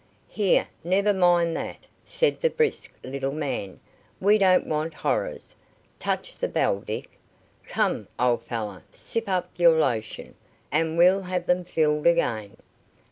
"Here, never mind that," said the brisk little man. "We don't want horrors. Touch the bell, Dick. Come, old fellow, sip up your lotion, and we'll have them filled again.